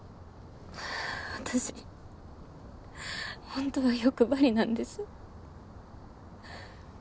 私本当は欲張りなんです。